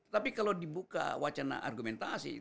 tapi kalau dibuka wacana argumentasi